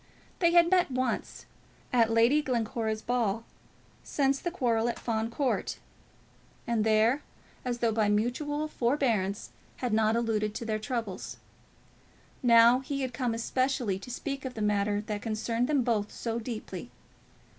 They had met once, at Lady Glencora's ball, since the quarrel at Fawn Court, and there, as though by mutual forbearance, had not alluded to their troubles. Now he had come, especially to speak of the matter that concerned them both so deeply.